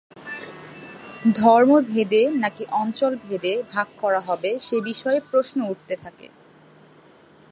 ধর্মভেদে নাকি অঞ্চলভেদে ভাগ করা হবে সে বিষয়ে প্রশ্ন উঠতে থাকে।